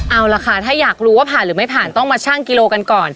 เอาล่ะค่ะถ้าอยากรู้ว่าผ่านหรือไม่ผ่านต้องมาชั่งกิโลกันก่อน